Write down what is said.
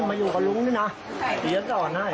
หมดพวกหลายเส้น